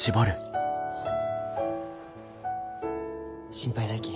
心配ないき。